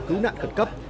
cứu nạn khẩn cấp